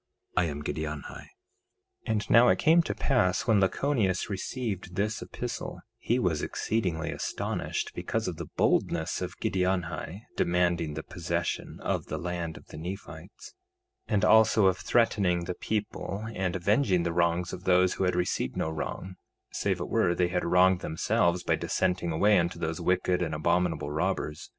I am Giddianhi. 3:11 And now it came to pass when Lachoneus received this epistle he was exceedingly astonished, because of the boldness of Giddianhi demanding the possession of the land of the Nephites, and also of threatening the people and avenging the wrongs of those that had received no wrong, save it were they had wronged themselves by dissenting away unto those wicked and abominable robbers.